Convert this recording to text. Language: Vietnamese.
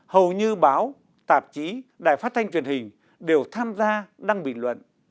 hầu như báo tạp chí đài phát thanh truyền hình đều tham gia đăng bình luận